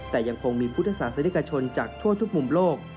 แต่ยังคงมีพุทธศาสนิกชนจากทั่วทุกมุมโลก